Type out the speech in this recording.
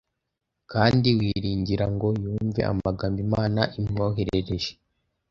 kandi wiringira, ngo yumve amagambo Imana imwoherereje.